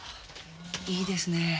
いいですね。